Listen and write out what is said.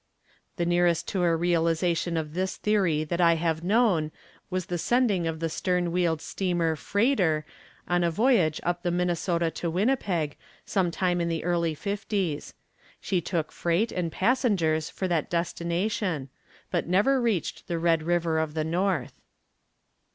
The nearest to a realization of this theory that I have known was the sending of the stern wheeled steamer "Freighter" on a voyage up the Minnesota to Winnipeg some time in the early fifties. She took freight and passengers for that destination, but never reached the Red River of the North.